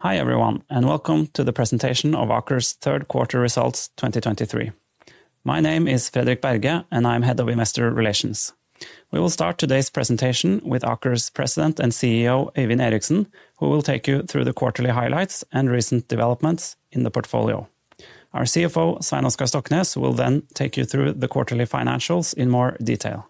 Hi, everyone, and welcome to the presentation of Aker's third quarter results 2023. My name is Fredrik Berge, and I'm Head of Investor Relations. We will start today's presentation with Aker's President and CEO, Øyvind Eriksen, who will take you through the quarterly highlights and recent developments in the portfolio. Our CFO, Svein Oskar Stoknes, will then take you through the quarterly financials in more detail.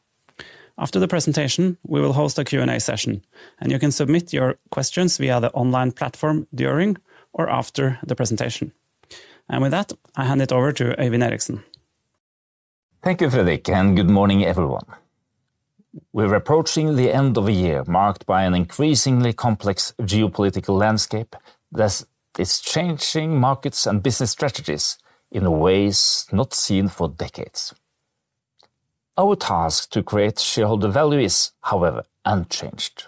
After the presentation, we will host a Q&A session, and you can submit your questions via the online platform during or after the presentation. With that, I hand it over to Øyvind Eriksen. Thank you, Fredrik, and good morning, everyone. We're approaching the end of a year marked by an increasingly complex geopolitical landscape that is changing markets and business strategies in ways not seen for decades. Our task to create shareholder value is, however, unchanged.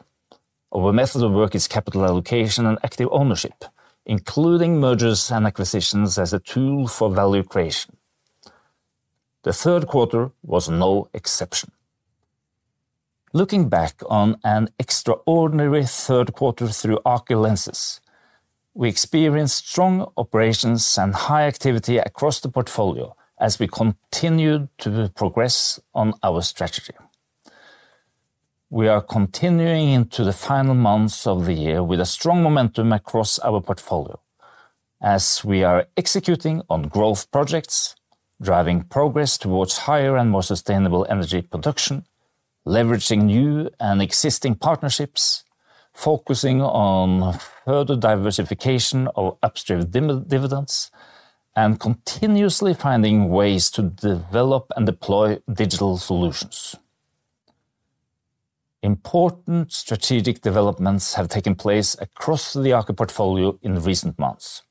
Our method of work is capital allocation and active ownership, including mergers and acquisitions as a tool for value creation. The third quarter was no exception. Looking back on an extraordinary third quarter through Aker lenses, we experienced strong operations and high activity across the portfolio as we continued to progress on our strategy. We are continuing into the final months of the year with a strong momentum across our portfolio as we are executing on growth projects, driving progress towards higher and more sustainable energy production, leveraging new and existing partnerships, focusing on further diversification of upstream dividends, and continuously finding ways to develop and deploy digital solutions. Important strategic developments have taken place across the Aker portfolio in recent months,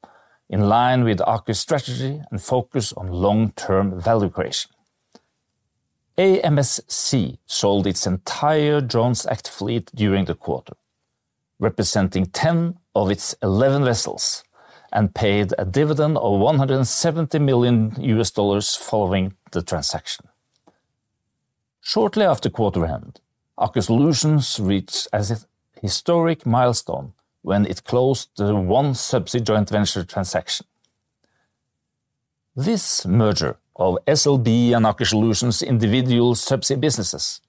in line with Aker's strategy and focus on long-term value creation. AMSC sold its entire Jones Act fleet during the quarter, representing 10 of its 11 vessels, and paid a dividend of $170 million following the transaction. Shortly after quarter end, Aker Solutions reached a historic milestone when it closed the OneSubsea joint venture transaction. This merger of SLB and Aker Solutions individual subsea businesses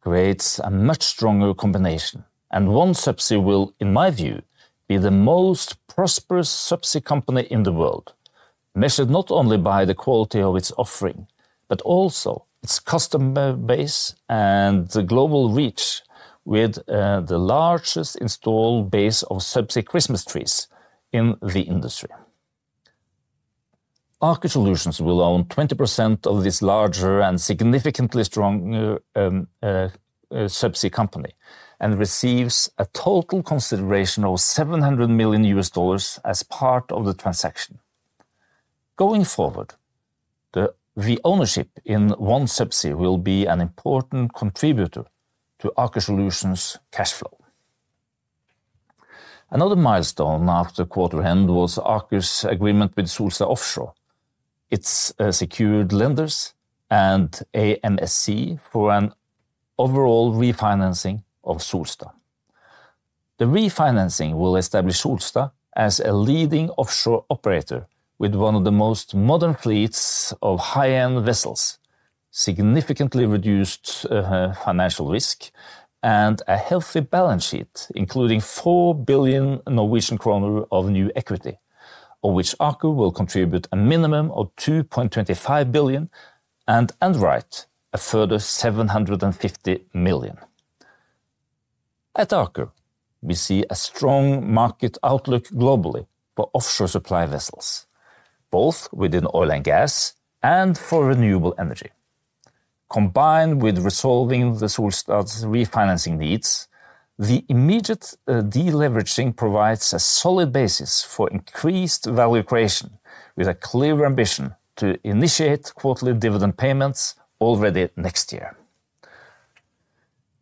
creates a much stronger combination, and OneSubsea will, in my view, be the most prosperous subsea company in the world, measured not only by the quality of its offering, but also its customer base and the global reach with the largest installed base of subsea Christmas trees in the industry. Aker Solutions will own 20% of this larger and significantly stronger subsea company and receives a total consideration of $700 million as part of the transaction. Going forward, the ownership in OneSubsea will be an important contributor to Aker Solutions' cash flow. Another milestone after quarter end was Aker's agreement with Solstad Offshore secured lenders and AMSC for an overall refinancing of Solstad. The refinancing will establish Solstad as a leading offshore operator with one of the most modern fleets of high-end vessels, significantly reduced financial risk, and a healthy balance sheet, including 4 billion Norwegian kroner of new equity, of which Aker will contribute a minimum of 2.25 billion and a further 750 million. At Aker, we see a strong market outlook globally for offshore supply vessels, both within oil and gas and for renewable energy. Combined with resolving the Solstad's refinancing needs, the immediate deleveraging provides a solid basis for increased value creation, with a clear ambition to initiate quarterly dividend payments already next year.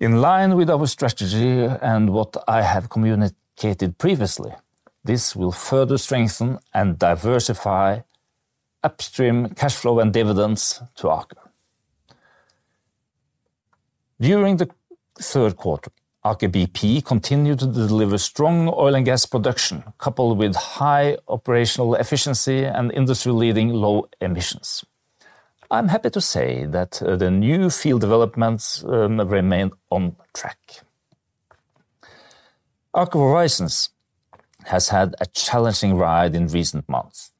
In line with our strategy and what I have communicated previously, this will further strengthen and diversify upstream cash flow and dividends to Aker. During the third quarter, Aker BP continued to deliver strong oil and gas production, coupled with high operational efficiency and industry-leading low emissions. I'm happy to say that the new field developments remain on track. Aker Horizons has had a challenging ride in recent months.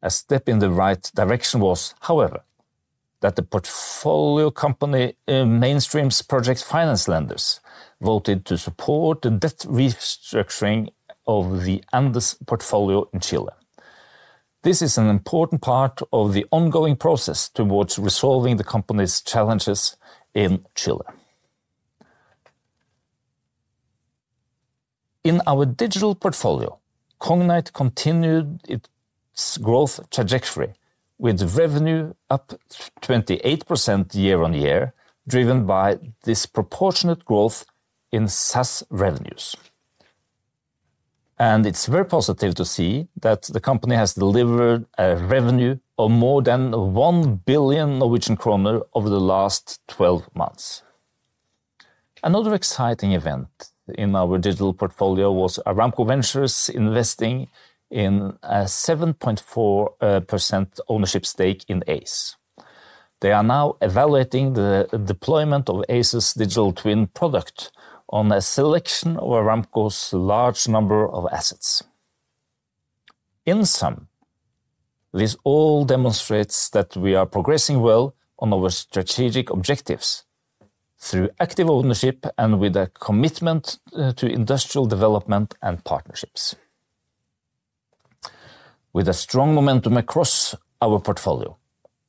A step in the right direction was, however, that the portfolio company Mainstream's project finance lenders voted to support the debt restructuring of the Andes portfolio in Chile. This is an important part of the ongoing process towards resolving the company's challenges in Chile. In our digital portfolio, Cognite continued its growth trajectory, with revenue up 28% year-on-year, driven by disproportionate growth in SaaS revenues. And it's very positive to see that the company has delivered a revenue of more than 1 billion Norwegian kroner over the last twelve months.... Another exciting event in our digital portfolio was Aramco Ventures investing in a 7.4% ownership stake in ACE. They are now evaluating the deployment of ACE's digital twin product on a selection of Aramco's large number of assets. In sum, this all demonstrates that we are progressing well on our strategic objectives through active ownership and with a commitment to industrial development and partnerships. With a strong momentum across our portfolio,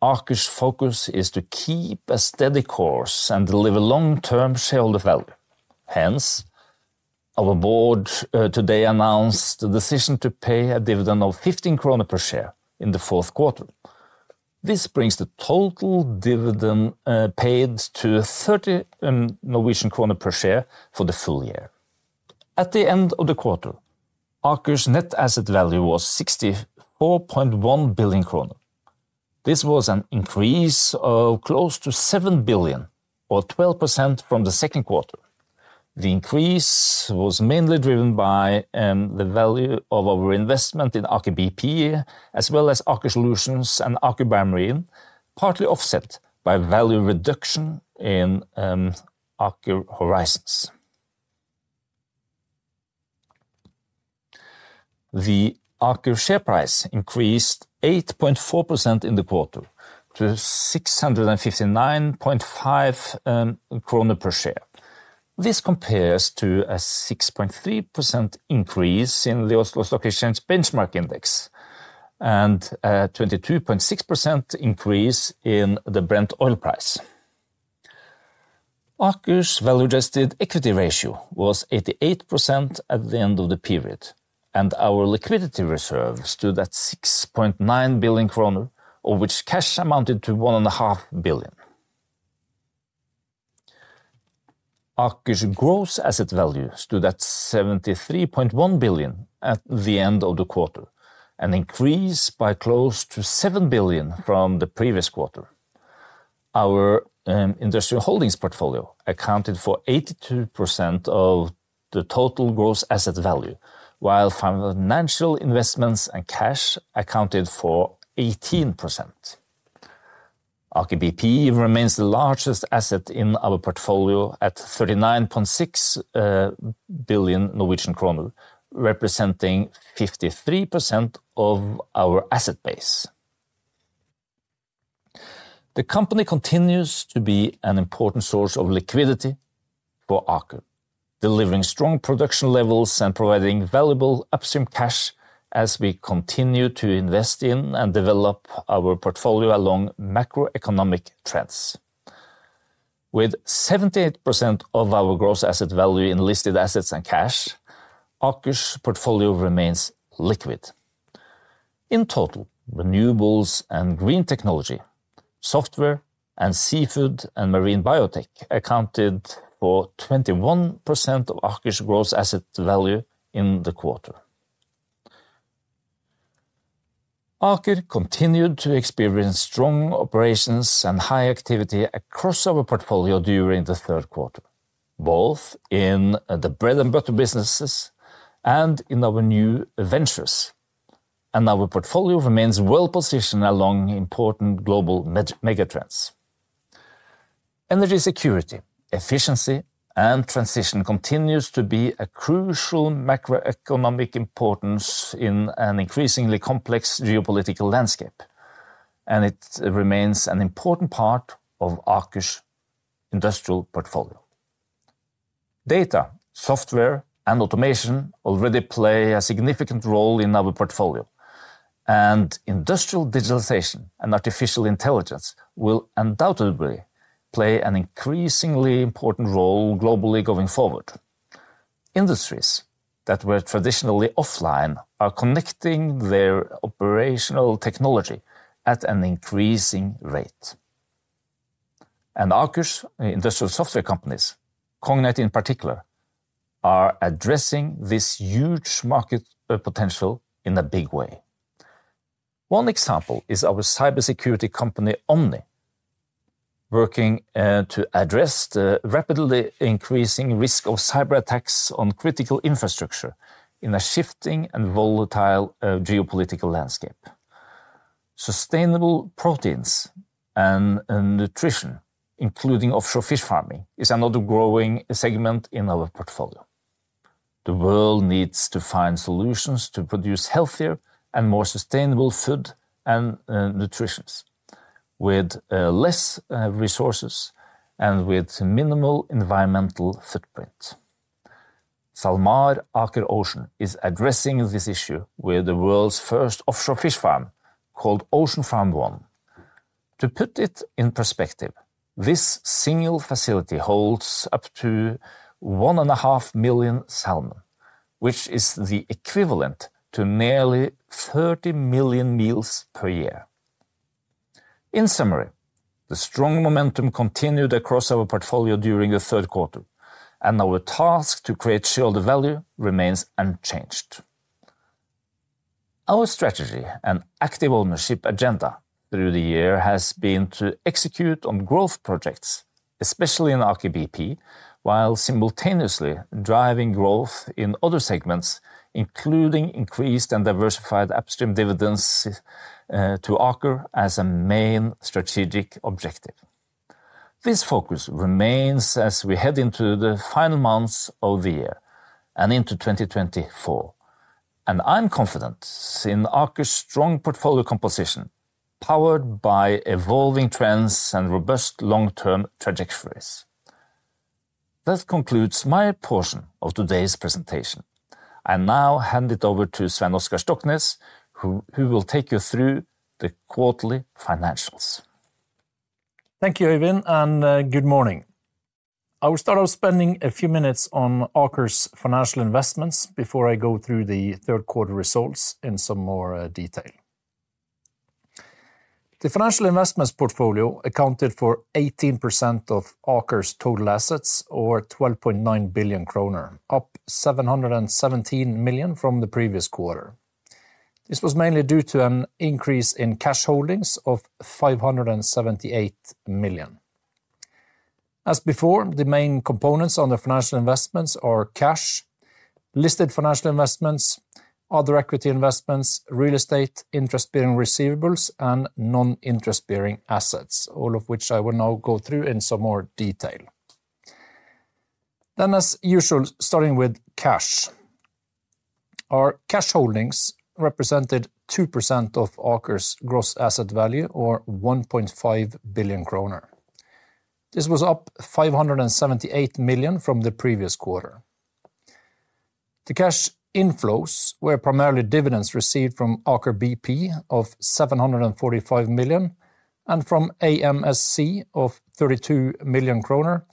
Aker's focus is to keep a steady course and deliver long-term shareholder value. Hence, our board today announced the decision to pay a dividend of 15 krone per share in the fourth quarter. This brings the total dividend paid to 30 Norwegian kroner per share for the full year. At the end of the quarter, Aker's net asset value was 64.1 billion kroner. This was an increase of close to 7 billion or 12% from the second quarter. The increase was mainly driven by the value of our investment in Aker BP, as well as Aker Solutions and Aker BioMarine, partly offset by value reduction in Aker Horizons. The Aker share price increased 8.4% in the quarter to 659.5 kroner per share. This compares to a 6.3% increase in the Oslo Stock Exchange benchmark index, and 22.6 increase in the Brent oil price. Aker's value-adjusted equity ratio was 88% at the end of the period, and our liquidity reserve stood at 6.9 billion kroner, of which cash amounted to 1.5 billion. Aker's gross asset value stood at 73.1 billion at the end of the quarter, an increase by close to 7 billion from the previous quarter. Our industrial holdings portfolio accounted for 82% of the total gross asset value, while financial investments and cash accounted for 18%. Aker BP remains the largest asset in our portfolio at 39.6 billion Norwegian kroner, representing 53% of our asset base. The company continues to be an important source of liquidity for Aker, delivering strong production levels and providing valuable upstream cash as we continue to invest in and develop our portfolio along macroeconomic trends. With 78% of our gross asset value in listed assets and cash, Aker's portfolio remains liquid. In total, renewables and green technology, software, and seafood and marine biotech accounted for 21% of Aker's gross asset value in the quarter. Aker continued to experience strong operations and high activity across our portfolio during the third quarter, both in the bread and butter businesses and in our new ventures, and our portfolio remains well-positioned along important global megatrends. Energy security, efficiency, and transition continues to be a crucial macroeconomic importance in an increasingly complex geopolitical landscape, and it remains an important part of Aker's industrial portfolio. Data, software, and automation already play a significant role in our portfolio, and industrial digitization and artificial intelligence will undoubtedly play an increasingly important role globally going forward. Industries that were traditionally offline are connecting their operational technology at an increasing rate. And Aker's industrial software companies, Cognite in particular, are addressing this huge market potential in a big way. One example is our cybersecurity company, Omny, working to address the rapidly increasing risk of cyberattacks on critical infrastructure in a shifting and volatile geopolitical landscape. Sustainable proteins and nutrition, including offshore fish farming, is another growing segment in our portfolio. The world needs to find solutions to produce healthier and more sustainable food and nutritions with less resources and with minimal environmental footprint. SalMar Aker Ocean is addressing this issue with the world's first offshore fish farm, called Ocean Farm 1. To put it in perspective, this single facility holds up to 1.5 million salmon, which is the equivalent to nearly 30 million meals per year. In summary, the strong momentum continued across our portfolio during the third quarter, and our task to create shareholder value remains unchanged. Our strategy and active ownership agenda through the year has been to execute on growth projects, especially in Aker BP, while simultaneously driving growth in other segments, including increased and diversified upstream dividends to Aker as a main strategic objective. This focus remains as we head into the final months of the year and into 2024, and I'm confident in Aker's strong portfolio composition, powered by evolving trends and robust long-term trajectories. That concludes my portion of today's presentation. I now hand it over to Svein Oskar Stoknes, who will take you through the quarterly financials. Thank you, Øyvind, and good morning. I will start off spending a few minutes on Aker's financial investments before I go through the third quarter results in some more detail. The financial investments portfolio accounted for 18% of Aker's total assets, or 12.9 billion kroner, up 717 million from the previous quarter. This was mainly due to an increase in cash holdings of 578 million. As before, the main components on the financial investments are cash, listed financial investments, other equity investments, real estate, interest-bearing receivables, and non-interest-bearing assets, all of which I will now go through in some more detail. Then, as usual, starting with cash. Our cash holdings represented 2% of Aker's gross asset value, or 1.5 billion kroner. This was up 578 million from the previous quarter. The cash inflows were primarily dividends received from Aker BP of 745 million and from AMSC of 32 million kroner,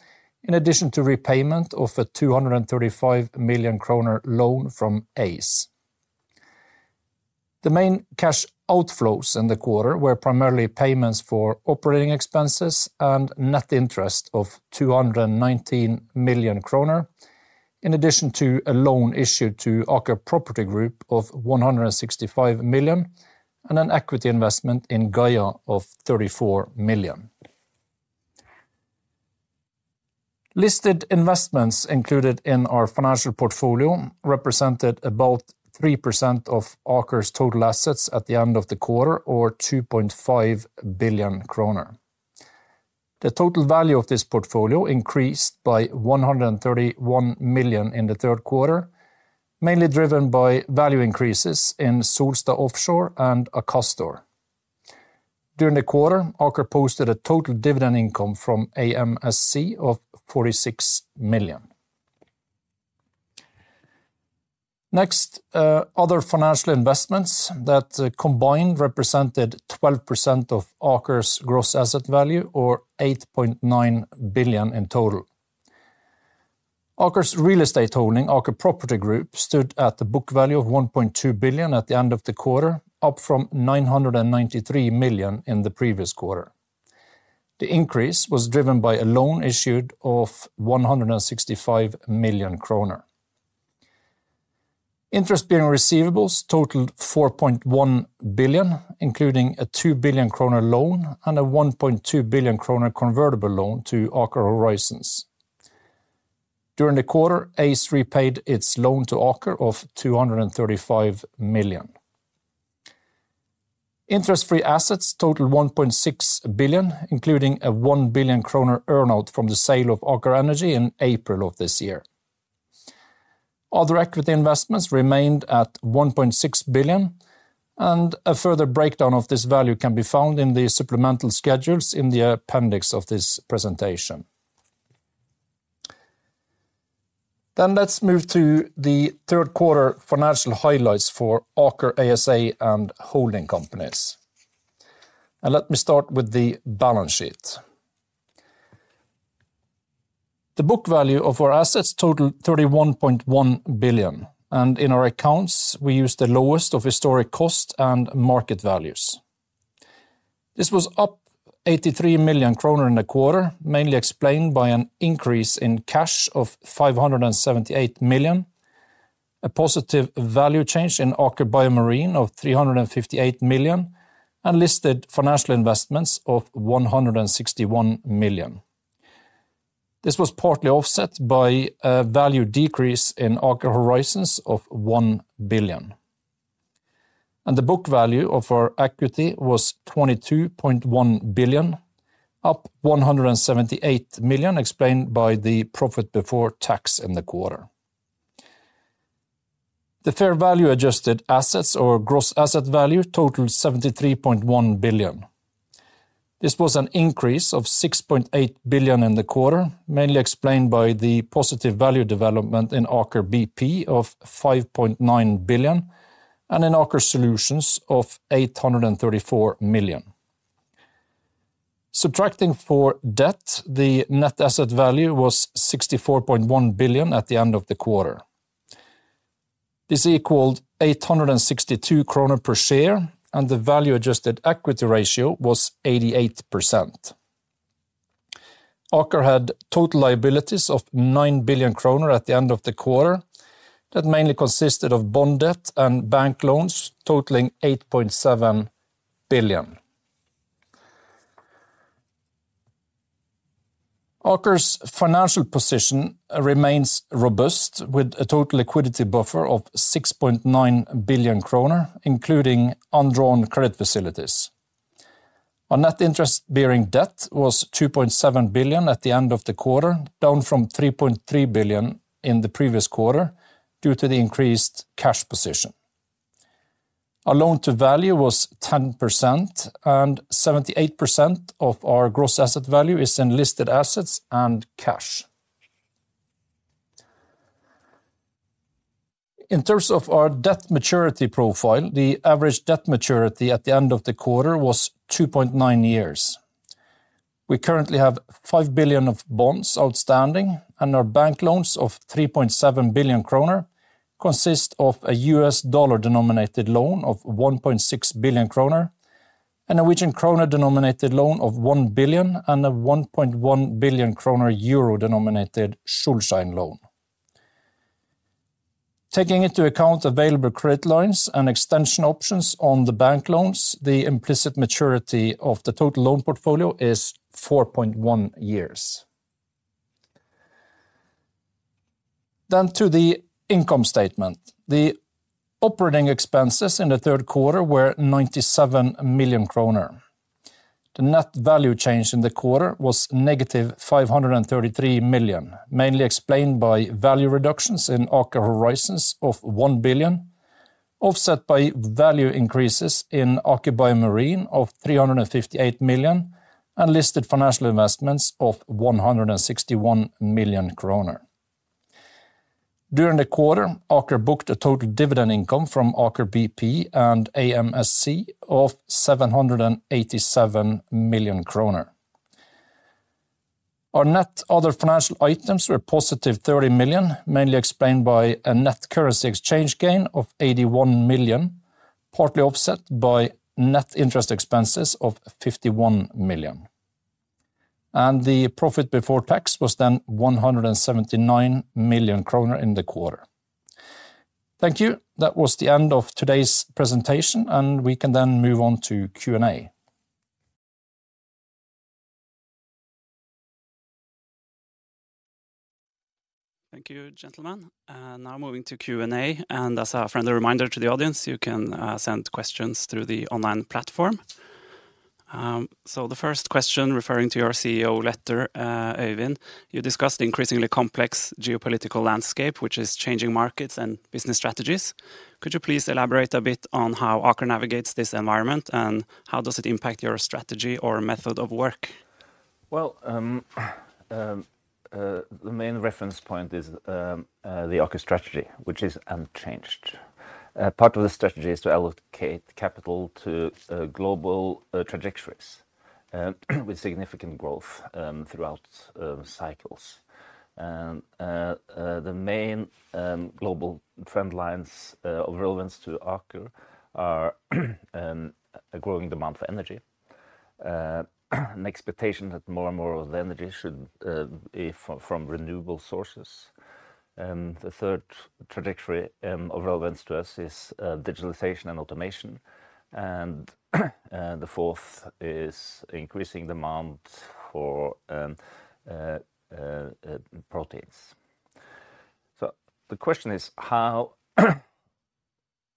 in addition to repayment of a 235 million kroner loan from ACE. The main cash outflows in the quarter were primarily payments for operating expenses and net interest of 219 million kroner, in addition to a loan issued to Aker Property Group of 165 million and an equity investment in Gaia of 34 million. Listed investments included in our financial portfolio represented about 3% of Aker's total assets at the end of the quarter, or 2.5 billion kroner. The total value of this portfolio increased by 131 million in the third quarter, mainly driven by value increases in Solstad Offshore and Akastor. During the quarter, Aker posted a total dividend income from AMSC of NOK 46 million. Next, other financial investments that combined represented 12% of Aker's gross asset value, or 8.9 billion in total. Aker's real estate holding, Aker Property Group, stood at the book value of 1.2 billion at the end of the quarter, up from 993 million in the previous quarter. The increase was driven by a loan issued of 165 million kroner. Interest-bearing receivables totaled 4.1 billion, including a 2 billion kroner loan and a 1.2 billion kroner convertible loan to Aker Horizons. During the quarter, ACE repaid its loan to Aker of 235 million. Interest-free assets totaled 1.6 billion, including a 1 billion kroner earn-out from the sale of Aker Energy in April of this year. Other equity investments remained at 1.6 billion, and a further breakdown of this value can be found in the supplemental schedules in the appendix of this presentation. Let's move to the third quarter financial highlights for Aker ASA and holding companies. Let me start with the balance sheet. The book value of our assets totaled 31.1 billion, and in our accounts, we use the lowest of historic cost and market values. This was up 83 million kroner in the quarter, mainly explained by an increase in cash of 578 million, a positive value change in Aker BioMarine of 358 million, and listed financial investments of 161 million. This was partly offset by a value decrease in Aker Horizons of 1 billion. The book value of our equity was 22.1 billion, up 178 million, explained by the profit before tax in the quarter. The fair value adjusted assets or gross asset value totaled 73.1 billion. This was an increase of 6.8 billion in the quarter, mainly explained by the positive value development in Aker BP of 5.9 billion and in Aker Solutions of 834 million. Subtracting for debt, the net asset value was 64.1 billion at the end of the quarter. This equaled 862 kroner per share, and the Value-Adjusted Equity Ratio was 88%. Aker had total liabilities of 9 billion kroner at the end of the quarter. That mainly consisted of bond debt and bank loans, totaling 8.7 billion. Aker's financial position remains robust, with a total liquidity buffer of 6.9 billion kroner, including undrawn credit facilities. Our net interest-bearing debt was 2.7 billion at the end of the quarter, down from 3.3 billion in the previous quarter, due to the increased cash position. Our loan-to-value was 10%, and 78% of our gross asset value is in listed assets and cash. In terms of our debt maturity profile, the average debt maturity at the end of the quarter was 2.9 years. We currently have 5 billion of bonds outstanding, and our bank loans of 3.7 billion kroner consist of a US dollar-denominated loan of 1.6 billion kroner, a Norwegian kroner-denominated loan of 1 billion, and a 1.1 billion kroner euro-denominated Schuldschein loan. Taking into account available credit lines and extension options on the bank loans, the implicit maturity of the total loan portfolio is 4.1 years. To the income statement. The operating expenses in the third quarter were 97 million kroner. The net value change in the quarter was negative 533 million, mainly explained by value reductions in Aker Horizons of 1 billion, offset by value increases in Aker BioMarine of 358 million, and listed financial investments of 161 million kroner. During the quarter, Aker booked a total dividend income from Aker BP and AMSC of 787 million kroner. Our net other financial items were positive 30 million, mainly explained by a net currency exchange gain of 81 million, partly offset by net interest expenses of 51 million. The profit before tax was then 179 million kroner in the quarter. Thank you. That was the end of today's presentation, and we can then move on to Q&A. Thank you, gentlemen. Now moving to Q&A, and as a friendly reminder to the audience, you can send questions through the online platform. So the first question, referring to your CEO letter, Øyvind, you discussed the increasingly complex geopolitical landscape, which is changing markets and business strategies. Could you please elaborate a bit on how Aker navigates this environment, and how does it impact your strategy or method of work? Well, the main reference point is the Aker strategy, which is unchanged. Part of the strategy is to allocate capital to global trajectories with significant growth throughout cycles. And the main global trend lines of relevance to Aker are a growing demand for energy, an expectation that more and more of the energy should be from renewable sources. And the third trajectory of relevance to us is digitalization and automation. And the fourth is increasing demand for proteins. So the question is: how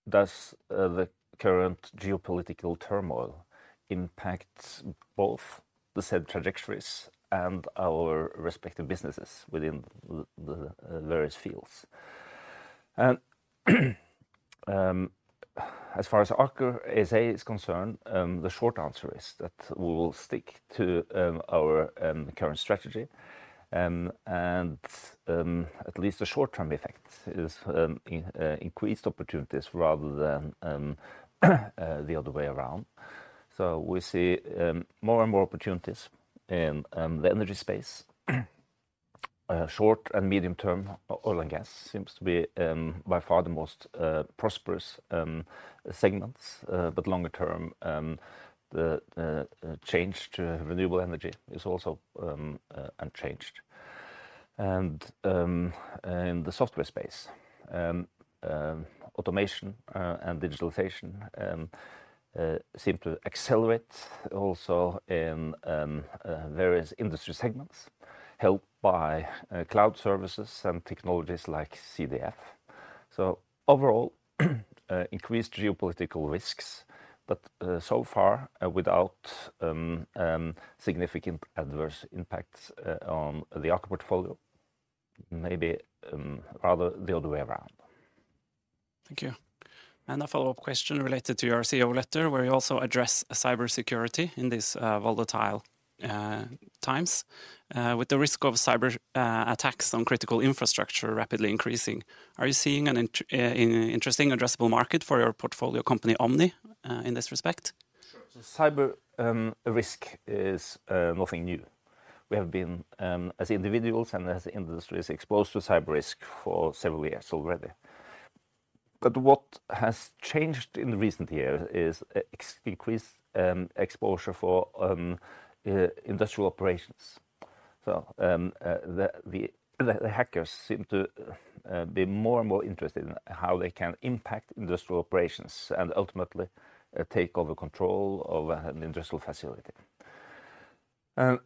does the current geopolitical turmoil impact both the said trajectories and our respective businesses within the various fields? As far as Aker ASA is concerned, the short answer is that we will stick to our current strategy, and at least the short-term effect is in increased opportunities rather than the other way around. We see more and more opportunities in the energy space. Short and medium-term oil and gas seems to be by far the most prosperous segments. But longer term, the change to renewable energy is also unchanged. In the software space, automation and digitalization seem to accelerate also in various industry segments, helped by cloud services and technologies like CDF. Overall, increased geopolitical risks, but so far without significant adverse impacts on the Aker portfolio. Maybe, rather the other way around. Thank you. And a follow-up question related to your CEO letter, where you also address cybersecurity in these volatile times. With the risk of cyber attacks on critical infrastructure rapidly increasing, are you seeing an interesting addressable market for your portfolio company, Omny, in this respect? Sure. Cyber risk is nothing new. We have been, as individuals and as industries, exposed to cyber risk for several years already. But what has changed in recent years is increased exposure for industrial operations. So, the hackers seem to be more and more interested in how they can impact industrial operations and ultimately take over control of an industrial facility. And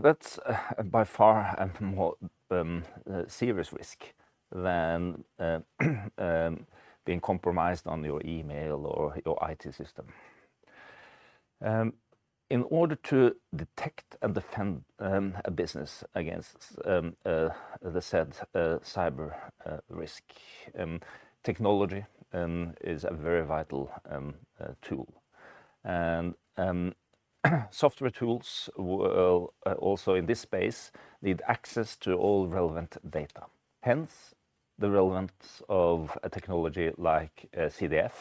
that's by far a more serious risk than being compromised on your email or your IT system. In order to detect and defend a business against the said cyber risk, technology is a very vital tool. Software tools will also in this space need access to all relevant data, hence the relevance of a technology like CDF.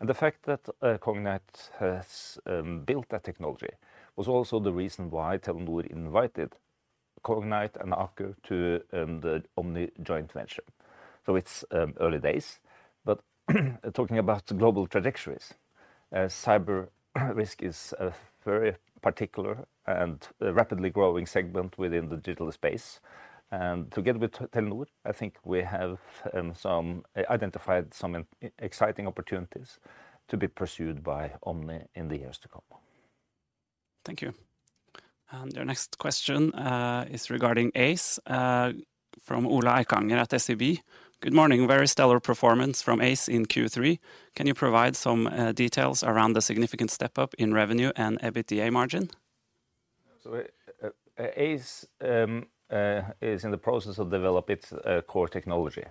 The fact that Cognite has built that technology was also the reason why Telenor invited Cognite and Aker to the Omny joint venture. It's early days, but talking about the global trajectories, cyber risk is a very particular and a rapidly growing segment within the digital space. Together with Telenor, I think we have identified some exciting opportunities to be pursued by Omny in the years to come. Thank you. Our next question is regarding ACE from Ola Eikanger at SEB. Good morning. Very stellar performance from ACE in Q3. Can you provide some details around the significant step up in revenue and EBITDA margin? So, ACE is in the process of developing its core technology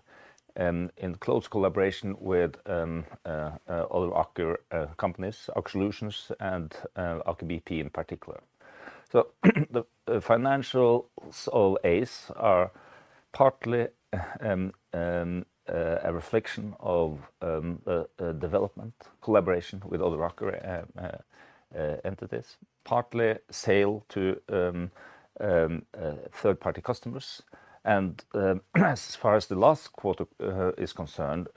in close collaboration with other Aker companies, Aker Solutions and Aker BP in particular. So, the financials of ACE are partly a reflection of a development collaboration with other Aker entities, partly sale to third-party customers. As far as the last quarter is concerned,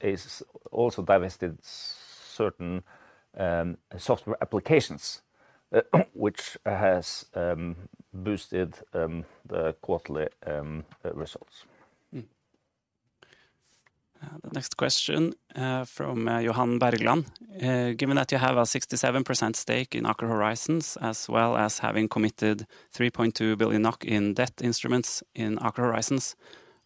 ACE also divested certain software applications, which has boosted the quarterly results. The next question from Johan Berglund. Given that you have a 67% stake in Aker Horizons, as well as having committed 3.2 billion NOK in debt instruments in Aker Horizons,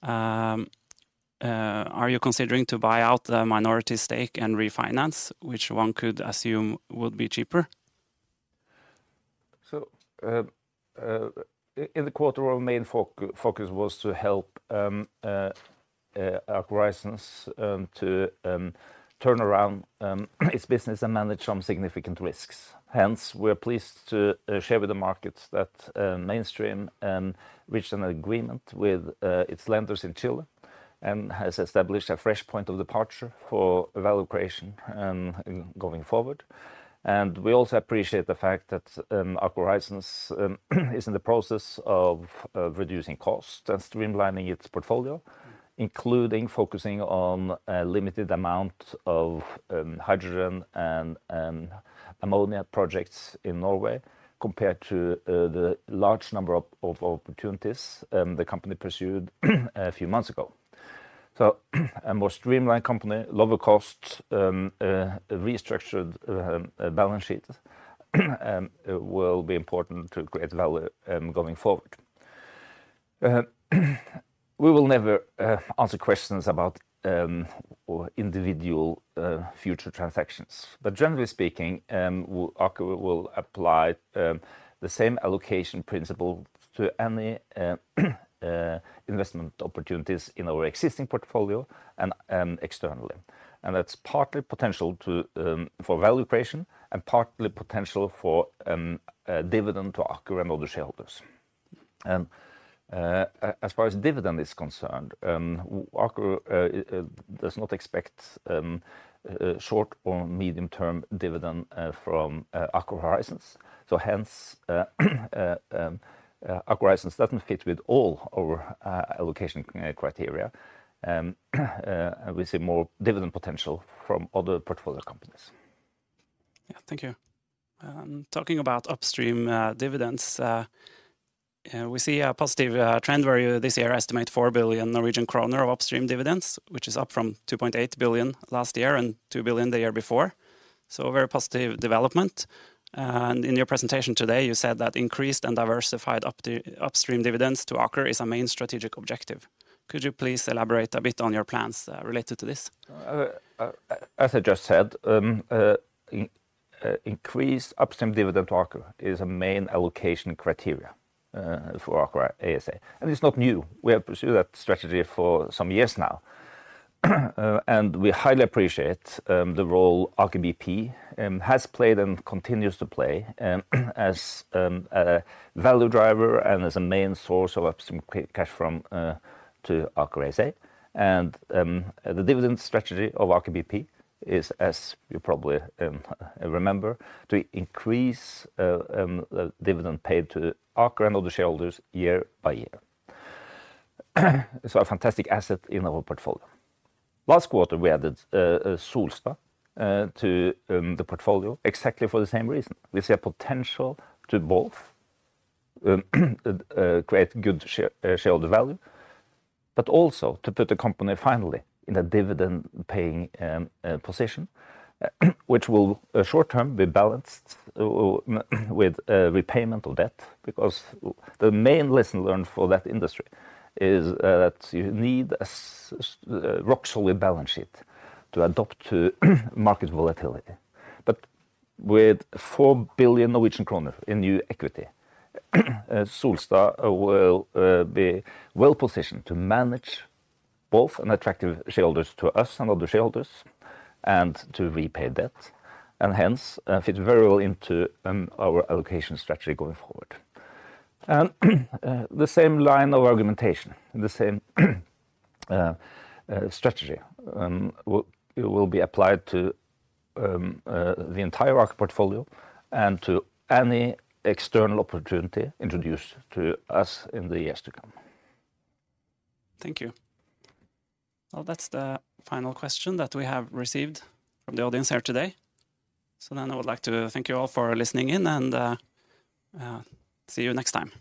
are you considering to buy out the minority stake and refinance, which one could assume would be cheaper? So, in the quarter, our main focus was to help Aker Horizons to turn around its business and manage some significant risks. Hence, we are pleased to share with the markets that Mainstream reached an agreement with its lenders in Chile, and has established a fresh point of departure for value creation going forward. And we also appreciate the fact that Aker Horizons is in the process of reducing costs and streamlining its portfolio, including focusing on a limited amount of hydrogen and ammonia projects in Norway, compared to the large number of opportunities the company pursued a few months ago. So, a more streamlined company, lower costs, restructured balance sheet will be important to create value going forward. We will never answer questions about or individual future transactions. But generally speaking, we Aker will apply the same allocation principle to any investment opportunities in our existing portfolio and externally. And that's partly potential to for value creation, and partly potential for a dividend to Aker and other shareholders. And as far as dividend is concerned, Aker does not expect a short or medium-term dividend from Aker Horizons. So hence Aker Horizons doesn't fit with all our allocation criteria. We see more dividend potential from other portfolio companies. Yeah. Thank you. Talking about upstream, dividends, we see a positive trend where you, this year, estimate 4 billion Norwegian kroner of upstream dividends, which is up from 2.8 billion last year and 2 billion the year before. So a very positive development. And in your presentation today, you said that increased and diversified upstream dividends to Aker is a main strategic objective. Could you please elaborate a bit on your plans, related to this? As I just said, increased upstream dividend to Aker is a main allocation criteria for Aker ASA. It's not new. We have pursued that strategy for some years now. And we highly appreciate the role Aker BP has played and continues to play as a value driver and as a main source of upstream cash from to Aker ASA. The dividend strategy of Aker BP is, as you probably remember, to increase the dividend paid to Aker and other shareholders year by year. So a fantastic asset in our portfolio. Last quarter, we added Solstad to the portfolio exactly for the same reason. We see a potential to both create good shareholder value, but also to put the company finally in a dividend-paying position, which will short-term be balanced with repayment of debt. Because the main lesson learned for that industry is that you need a rock-solid balance sheet to adapt to market volatility. But with 4 billion Norwegian kroner in new equity, Solstad will be well positioned to manage both an attractive shareholders to us and other shareholders, and to repay debt, and hence fit very well into our allocation strategy going forward. And the same line of argumentation and the same strategy will be applied to the entire Aker portfolio and to any external opportunity introduced to us in the years to come. Thank you. Well, that's the final question that we have received from the audience here today. So then I would like to thank you all for listening in, and see you next time.